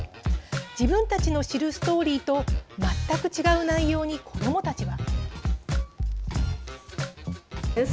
自分たちの知るストーリーと全く違う内容に子どもたちは。